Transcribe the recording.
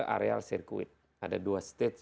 areal sirkuit ada dua stage